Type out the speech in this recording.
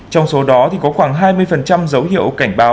trong số đó thì có khoảng hai mươi dấu hiệu cảnh báo